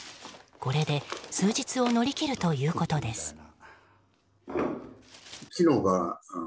これで、数日を乗り切るということです。